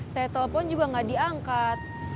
saya telepon juga gak diangkat